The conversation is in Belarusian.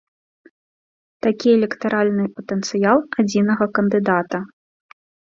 Такі электаральны патэнцыял адзінага кандыдата.